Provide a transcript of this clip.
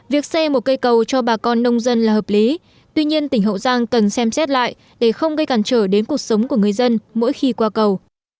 việc xây một cây cầu cho bà con nông dân là hợp lý tuy nhiên tỉnh hậu giang cần xem xét lại để không gây cản trở đến cuộc sống của người dân mỗi khi qua cầu